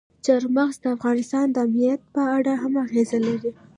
چار مغز د افغانستان د امنیت په اړه هم اغېز لري.